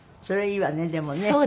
それいいわねでもね。